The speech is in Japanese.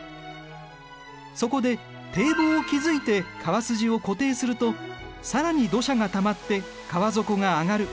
そこで堤防を築いて川筋を固定すると更に土砂がたまって川底が上がる。